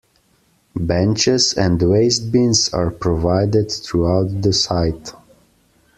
Benches and waste bins are provided throughout the site.